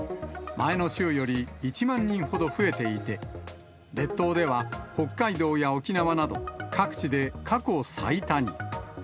前の週より１万人ほど増えていて、列島では、北海道や沖縄など、各地で過去最多に。